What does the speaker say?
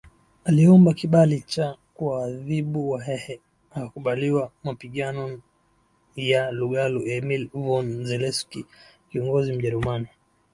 aliomba kibali cha kuwaadhibu Wahehe akakubaliwaMapigano ya Lugalo Emil von Zelewski kiongozi Mjerumani